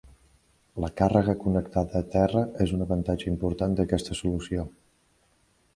La càrrega connectada a terra és un avantatge important d'aquesta solució.